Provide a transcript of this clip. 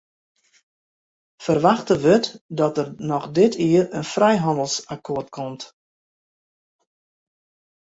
Ferwachte wurdt dat der noch dit jier in frijhannelsakkoart komt.